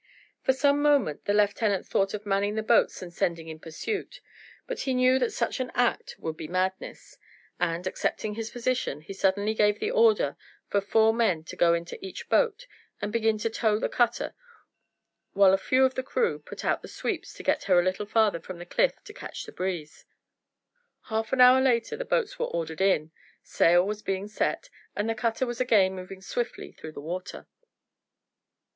For a moment the lieutenant thought of manning the boats and sending in pursuit, but he knew that such an act would be madness; and, accepting his position, he suddenly gave the order for four men to go into each boat, and begin to tow the cutter, while a few of the crew put out the sweeps to get her a little farther from the cliff to catch the breeze. Half an hour later the boats were ordered in, sail was being set, and the cutter was again moving swiftly through the water.